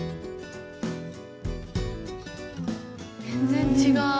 全然違う。